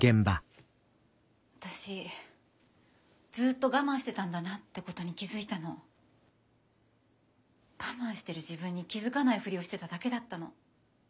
私ずっと我慢してたんだなってことに気付いたの。我慢してる自分に気付かないふりをしてただけだったの。